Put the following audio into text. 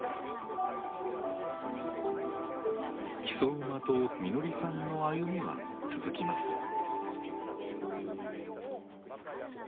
木曽馬とみのりさんの歩みは続きます。